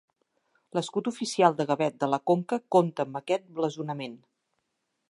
L'escut oficial de Gavet de la Conca compta amb aquest blasonament.